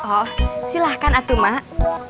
oh silahkan atu mak